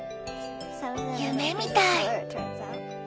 夢みたい！